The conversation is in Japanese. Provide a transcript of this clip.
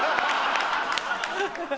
ハハハハ。